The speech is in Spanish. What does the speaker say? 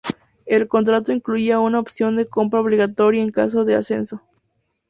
El contrato incluía una opción de compra obligatoria en caso de ascenso.